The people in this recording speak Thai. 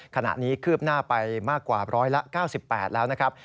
คืบหน้าไปมากกว่าร้อยละ๙๘แล้วนะครับ